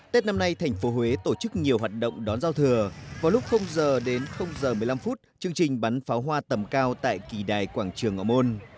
tết năm nay tp huế tổ chức nhiều hoạt động đón giao thừa vào lúc h h một mươi năm chương trình bắn pháo hoa tầm cao tại kỳ đài quảng trường ngọ môn